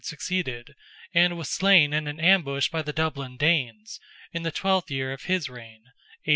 succeeded, and was slain in an ambush by the Dublin Danes, in the twelfth year of his reign (A.